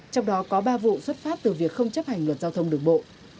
trong đó có ba vụ xuất phát từ việc không chấp hành luật giao thông đường bộ